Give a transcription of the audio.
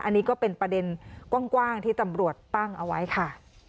อันนี้ก็เป็นประเด็นกว้างที่ตำรวจตั้งเอาไว้ค่ะ